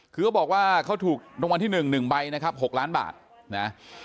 คือเขาบอกว่าเขาถูกรางวัลที่๑๑ใบนะครับ๖ล้านบาทนะ